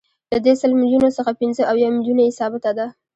له دې سل میلیونو څخه پنځه اویا میلیونه یې ثابته ده